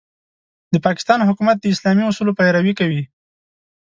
د پاکستان حکومت د اسلامي اصولو پيروي کوي.